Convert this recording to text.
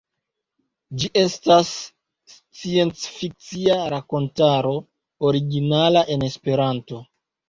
Ĝi estas sciencfikcia rakontaro, originala en esperanto.